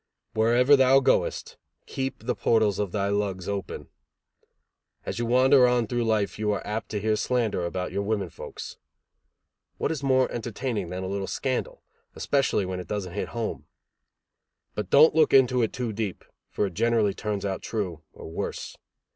Wherever thou goest, keep the portals of thy lugs open; as you wander on through life you are apt to hear slander about your women folks. What is more entertaining than a little scandal, especially when it doesn't hit home? But don't look into it too deep, for it generally turns out true, or worse.